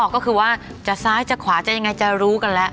ก็คือว่าจะซ้ายจะขวาจะยังไงจะรู้กันแล้ว